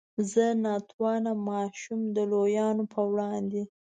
زه نا توانه ماشوم د لویانو په وړاندې.